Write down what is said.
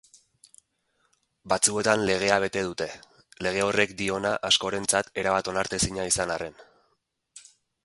Batzuetan legea bete dute, lege horrek diona askorentzat erabat onartezina izan arren.